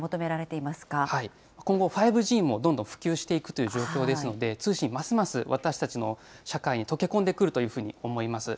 今後、５Ｇもどんどん普及していくという状況ですので、通信、ますます私たちの社会に溶け込んでくるというふうに思います。